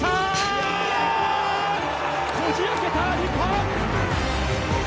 こじ開けた、日本！